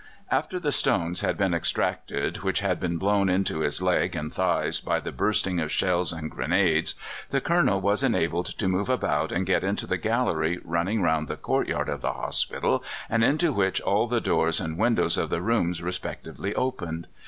After the stones had been extracted which had been blown into his leg and thighs by the bursting of shells and grenades, the Colonel was enabled to move about and get into the gallery running round the courtyard of the hospital, and into which all the doors and windows of the rooms respectively opened.